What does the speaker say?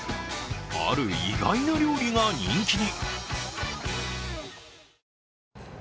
ある意外な料理が人気に。